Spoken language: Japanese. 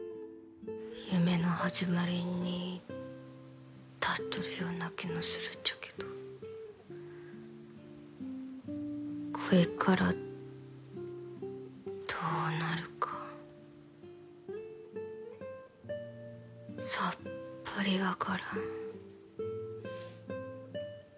夢の始まりに立っとるような気がするっちょけどこれからどうなるかさっぱり分からん。